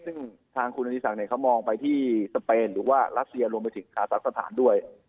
ซึ่งทางคุณอธิศักดิ์เขามองไปที่สเปนหรือว่ารัสเซียรวมไปถึงคาซักสถานด้วย